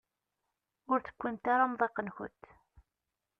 Ur tewwimt ara amḍiq-nkent.